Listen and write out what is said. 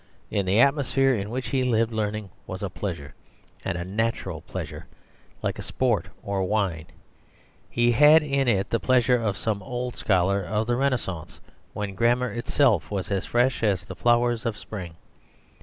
In the atmosphere in which he lived learning was a pleasure, and a natural pleasure, like sport or wine. He had in it the pleasure of some old scholar of the Renascence, when grammar itself was as fresh as the flowers of spring.